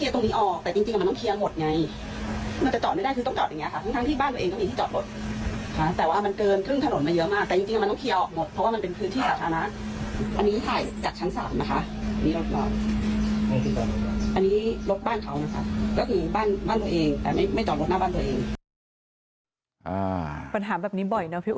แต่แบบนี้เลยครับ